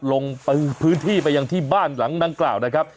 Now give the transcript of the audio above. ลงพื้นที่ไปยังที่บ้านหลังดังกล่าวนะครับ